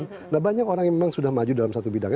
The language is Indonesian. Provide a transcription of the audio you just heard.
nah banyak orang yang memang sudah maju dalam satu bidang